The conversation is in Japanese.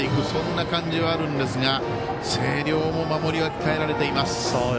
そんな感じはあるんですが星稜も守りは鍛えられています。